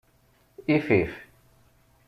Ifif.